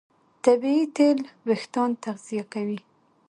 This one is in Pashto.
طبیعي تېل وېښتيان تغذیه کوي.